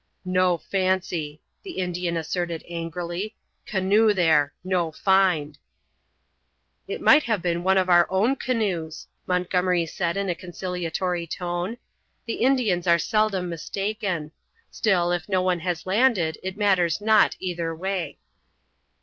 "No fancy," the Indian asserted angrily. "Canoe there. No find." "It might have been one of our own canoes," Montgomery said in a conciliatory tone. "The Indians are seldom mistaken. Still, if no one has landed it matters not either way."